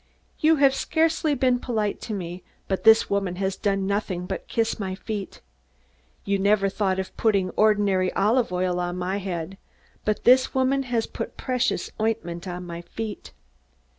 You have scarcely been polite to me; but this woman has done nothing but kiss my feet. You never thought of putting ordinary olive oil on my head; but this woman has put precious ointment on my feet.